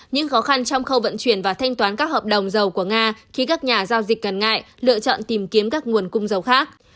những khó khăn trong khâu vận chuyển và thanh toán các hợp đồng dầu của nga khi các nhà giao dịch cần ngại lựa chọn tìm kiếm các nguồn cung dầu khác